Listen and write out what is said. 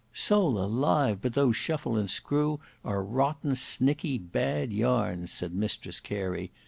"Soul alive, but those Shuffle and Screw are rotten, snickey, bad yarns," said Mistress Carey.